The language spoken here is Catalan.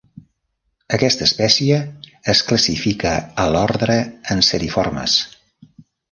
Aquesta espècie es classifica a l'ordre Anseriformes.